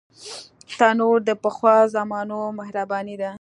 تنور د پخوا زمانو مهرباني ده